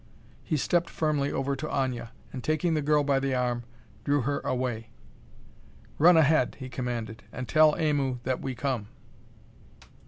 He stepped firmly over to Aña, and, taking the girl by the arm, drew her away. "Run ahead," he commanded, "and tell Aimu that we come."